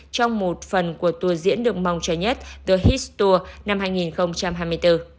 trong một phần của tour diễn được mong chờ nhất the hist tour năm hai nghìn hai mươi bốn